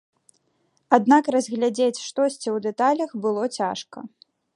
Аднак разглядзець штосьці ў дэталях было цяжка.